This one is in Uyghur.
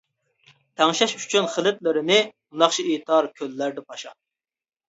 تەڭشەش ئۈچۈن خىلىتلىرىنى، ناخشا ئېيتار كۆللەردە پاشا.